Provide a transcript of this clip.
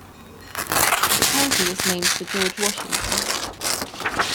The county is named for George Washington.